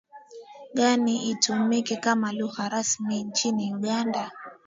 gani itumike kama lugha rasmi nchini Uganda